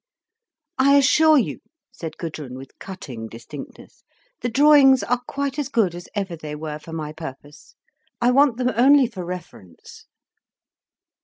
"I assure you," said Gudrun, with cutting distinctness, "the drawings are quite as good as ever they were, for my purpose. I want them only for reference."